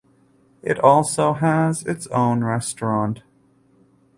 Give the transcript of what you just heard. It also has its own restaurant.